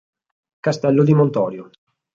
Castello di Montorio